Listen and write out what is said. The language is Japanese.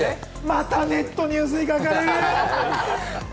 またネットニュースに書かれる！